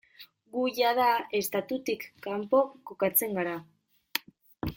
Gu jada estatutik kanpo kokatzen gara.